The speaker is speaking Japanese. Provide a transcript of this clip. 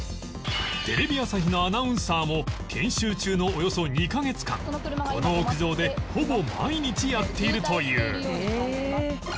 テレビ朝日のアナウンサーも研修中のおよそ２カ月間この屋上でほぼ毎日やっているという